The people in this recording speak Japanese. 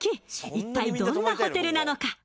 一体どんなホテルなのか？